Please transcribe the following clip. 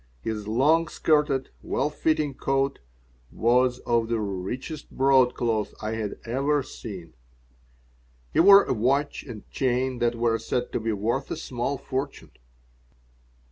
His long skirted, well fitting coat was of the richest broadcloth I had ever seen. He wore a watch and chain that were said to be worth a small fortune.